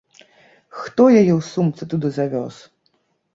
Хто яе ў сумцы туды завёз?